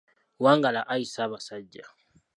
Wangala ayi Ssaabasajja.